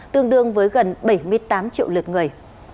tương đương với gần bảy mươi tám triệu lượt người